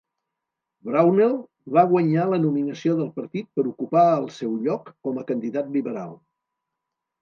Brownell va guanyar la nominació del partit per ocupar el seu lloc com a candidat liberal.